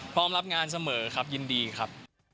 พร้อมรับงานเสมอครับยินดีครับ